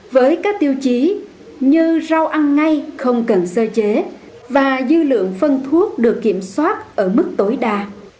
vô chí như rau ăn ngay không cần sơ chế và dư lượng phân thuốc được kiểm soát ở mức tối đa